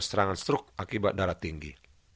serangan struk akibat darah tinggi